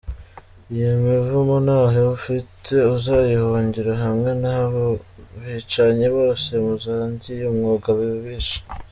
Iyo mivumo ntaho ufite uzayihungira, hamwe n,abo bicanyi bose musangiye umwuga mubisha !